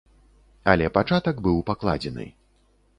Але пачатак быў пакладзены.